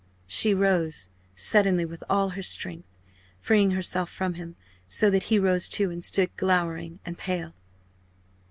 She rose suddenly with all her strength, freeing herself from him, so that he rose too, and stood glowering and pale.